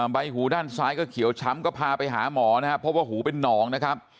ใบหูด้านซ้ายก็เขียวช้ำก็พาไปหาหมอนะครับเพราะว่าหูเป็นหนองนะครับ